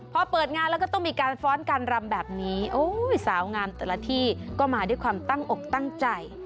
พอเปิดงานแล้วก็ต้องมีการฟ้อนการรำแบบนี้โอ้ยสาวงามแต่ละที่ก็มาด้วยความตั้งอกตั้งใจ